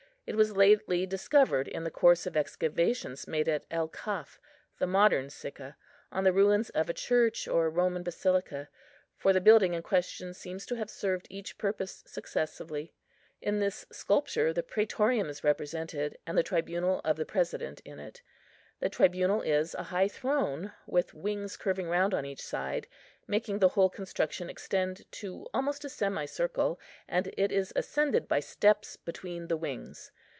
It was lately discovered in the course of excavations made at El Kaf, the modern Sicca, on the ruins of a church or Roman basilica, for the building in question seems to have served each purpose successively. In this sculpture the prætorium is represented, and the tribunal of the president in it. The tribunal is a high throne, with wings curving round on each side, making the whole construction extend to almost a semicircle, and it is ascended by steps between the wings.